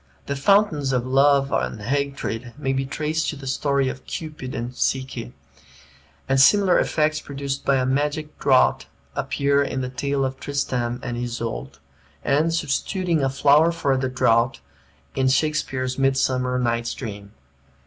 The fountains of Love and Hatred may be traced to the story of Cupid and Psyche; and similar effects produced by a magic draught appear in the tale of Tristram and Isoude, and, substituting a flower for the draught, in Shakspeare's "Midsummer Night's Dream."